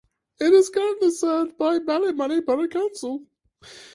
It is currently served by Ballymoney Borough Council.